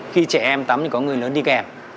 khi trẻ em tắm thì có người lớn đi kèm